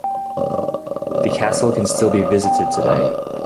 The castle can still be visited today.